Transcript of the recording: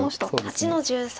白８の十三。